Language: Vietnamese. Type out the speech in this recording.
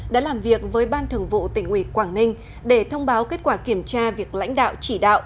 đã làm việc với ban thường vụ tỉnh ủy quảng ninh để thông báo kết quả kiểm tra việc lãnh đạo chỉ đạo